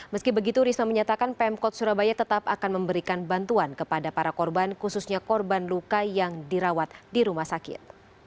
meski begitu risma menyatakan pemkot surabaya tetap akan memberikan bantuan kepada para korban khususnya korban luka yang dirawat di rumah sakit